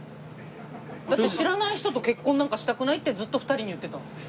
だって知らない人と結婚なんかしたくないってずっと２人に言ってたんです。